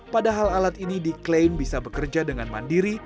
padahal alat ini diklaim bisa bekerja dengan mandiri